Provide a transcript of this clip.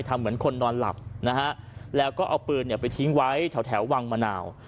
เหมือนคนนอนหลับนะฮะแล้วก็เอาปืนเนี่ยไปทิ้งไว้แถววังมะนาว